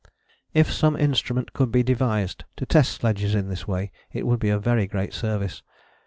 If some instrument could be devised to test sledges in this way it would be of very great service.